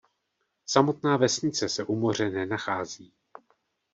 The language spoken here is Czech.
Samotná vesnice se u moře nenachází.